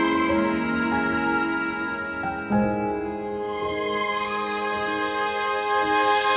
itu udah sampai itu suratnya